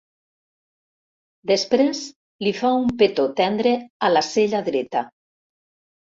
Després li fa un petó tendre a la cella dreta.